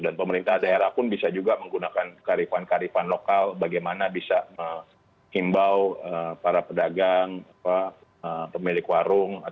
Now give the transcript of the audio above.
dan pemerintah daerah pun bisa juga menggunakan karifan karifan lokal bagaimana bisa mengimbau para pedagang pemilik warung